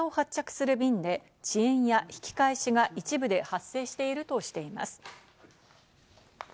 日本航空は羽田を発着する便で遅延や引き返しが一部で発生しているとしています。